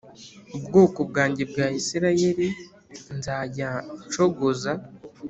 ubwoko bwanjye bwa Isirayeli nzajya ncogoza